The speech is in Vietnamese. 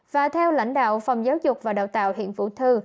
và theo lãnh đạo phòng giáo dục và đào tạo huyện vũ thư